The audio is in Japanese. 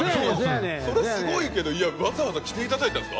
すごいけど、わざわざ来ていただいたんですか？